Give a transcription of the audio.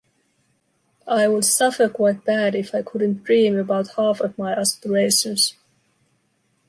I would suffer quite bad if I couldn’t dream about half of my aspirations.